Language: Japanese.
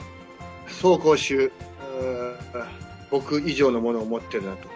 走攻守、僕以上のものを持ってるなと。